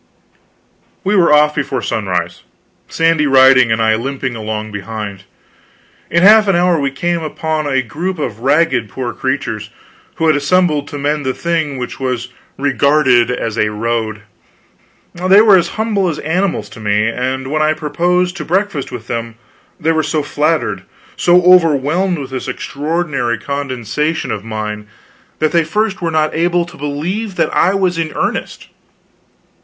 We were off before sunrise, Sandy riding and I limping along behind. In half an hour we came upon a group of ragged poor creatures who had assembled to mend the thing which was regarded as a road. They were as humble as animals to me; and when I proposed to breakfast with them, they were so flattered, so overwhelmed by this extraordinary condescension of mine that at first they were not able to believe that I was in earnest.